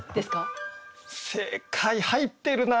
正解入ってるな。